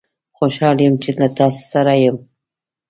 خوشحال یم چې له تاسوسره یم